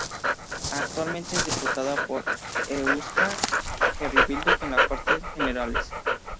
Actualmente es diputada por Euskal Herria Bildu en las Cortes Generales.